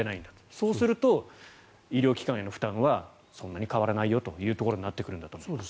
そうすると医療機関への負担はそんなに変わらないよというところになるんだと思います。